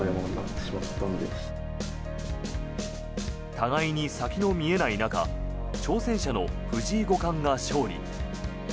互いに先の見えない中挑戦者の藤井五冠が勝利。